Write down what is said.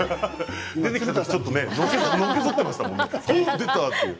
出てきた時にのけぞっていましたものね。